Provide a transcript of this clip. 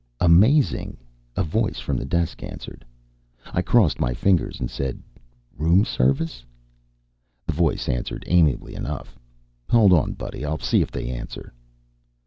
Amazing, a voice from the desk answered. I crossed my fingers and said: "Room service?" And the voice answered amiably enough: "Hold on, buddy. I'll see if they answer."